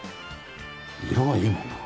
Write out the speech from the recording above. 色がいいもんな。